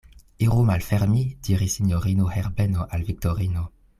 Iru malfermi, diris sinjorino Herbeno al Viktorino.